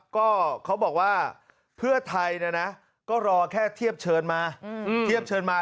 ก็เขาบอกว่าเพื่อไทยก็รอแค่เทียบเชิญมา